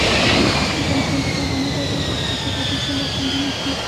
افغانستان تر هغو نه ابادیږي، ترڅو سرحدي پولې خوندي نشي.